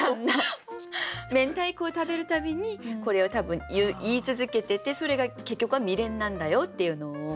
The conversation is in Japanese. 明太子を食べる度にこれを多分言い続けててそれが結局は未練なんだよっていうのを。